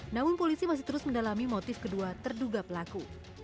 namun polisi masih terus mendalami motif kedua terduga pelaku